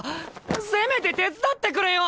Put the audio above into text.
せめて手伝ってくれよ！